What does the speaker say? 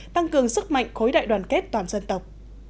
tăng cường sức mạnh khối đại đoàn kết toàn dân tộc